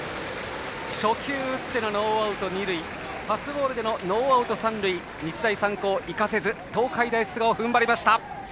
初球打ってのノーアウト二塁パスボールでのノーアウト、三塁日大三高、生かせず東海大菅生、踏ん張りました。